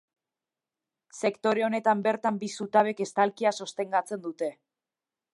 Sektore honetan bertan bi zutabek estalkia sostengatzen dute.